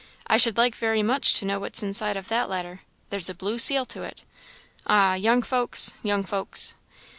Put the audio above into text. I should like very much to know what's inside of that letter there's a blue seal to it. Ah, young folks! young folks!